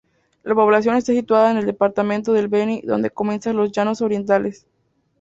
La población está situada en el departamento del Beni donde comienzan los Llanos Orientales.